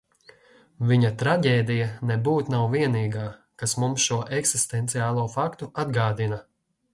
Viņa traģēdija nebūt nav vienīgā, kas mums šo eksistenciālo faktu atgādina.